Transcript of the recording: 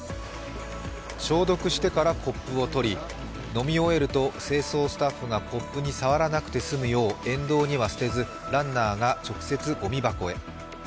消毒してからコップを取り、飲み終えると清掃スタッフがコップに触らなくて済むよう、沿道には捨てず、ランナーが直接、ごみ箱へ。